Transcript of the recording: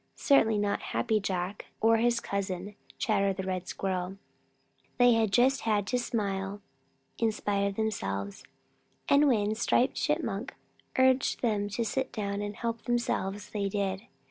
Certainly not Happy Jack or his cousin, Chatterer the Red Squirrel. They just had to smile in spite of themselves, and when Striped Chipmunk urged them to sit down and help themselves, they did.